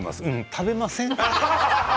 食べませんって。